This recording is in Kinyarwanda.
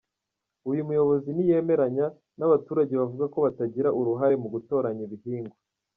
Uyu muyobozi ntiyemeranya n’abaturage bavuga ko batagira uruhare mu gutoranya ibihingwa.